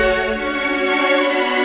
karena kita harus menjaga rena